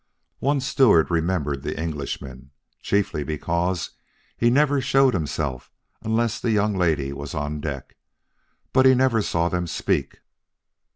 One steward remembered the Englishman, chiefly because he never showed himself unless the young lady was on deck. But he never saw them speak."